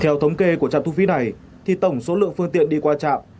theo thống kê của trạm thu phí này thì tổng số lượng phương tiện đi qua trạm